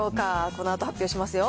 このあと発表しますよ。